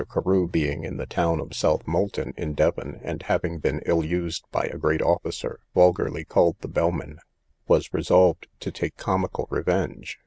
Carew being in the town of Southmolton, in Devon, and having been ill used by a great officer, vulgarly called the bellman, was resolved to take comical revenge.